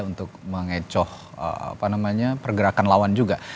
untuk mengecoh apa namanya pergerakan lawan juga